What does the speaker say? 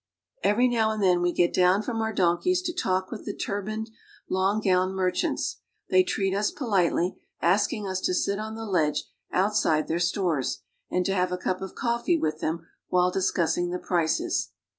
Every now and then we get down from our donkeys to talk with the tur baned, long gowned merchants. They treat us politely, asking us to sit on the ledge outside their stores, and to "' have a cup of coffee with them while discussing the prices.